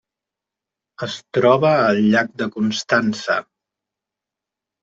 Es troba al llac de Constança.